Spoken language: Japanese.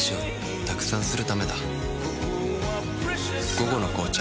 「午後の紅茶」